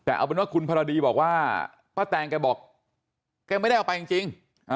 แต่เอาเป็นว่าคุณพรดีบอกว่าป้าแตงแกบอกแกไม่ได้เอาไปจริง